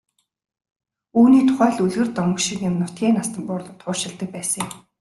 Үүний тухай л үлгэр домог шиг юм нутгийн настан буурлууд хуучилдаг байсан юм.